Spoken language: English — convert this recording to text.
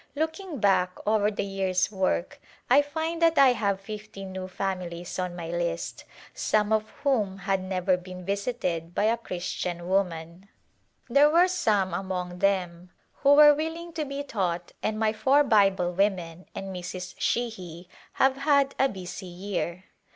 Looking back over the year's work I find that I have fifty new families on my list, some of whom had never been visited by a Christian woman. There General Work were some among them who were willing to be taught and my four Bible women and Mrs. Sheahy have had a busy year.